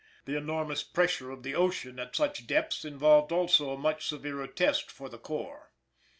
The enormous pressure of the ocean at such depths involved also a much severer test for the core.